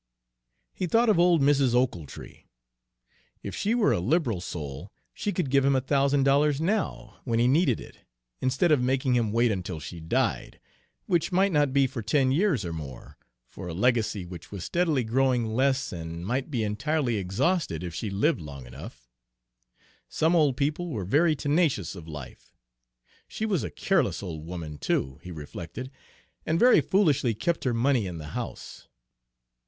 He thought of old Mrs. Ochiltree. If she were a liberal soul, she could give him a thousand dollars now, when he needed it, instead of making him wait until she died, which might not be for ten years or more, for a legacy which was steadily growing less and might be entirely exhausted if she lived long enough, some old people were very tenacious of life! She was a careless old woman, too, he reflected, and very foolishly kept her money in the house.